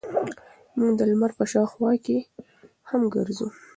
موږ د لمر په شاوخوا کې هم ګرځو.